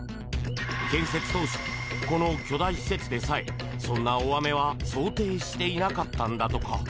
建設当初、この巨大施設でさえそんな大雨は想定していなかったのだとか。